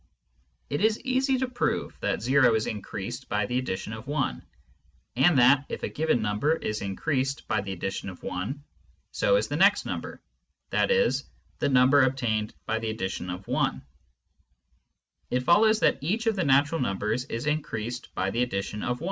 It is easy to prove that o is incp^fased by the addition of i, and that, if a given numhef is increased by the addition of I, so is the next nuipb^, i.e. the number obtained by the addition of i . It follows that each of the natural numbers is increased by the addition of i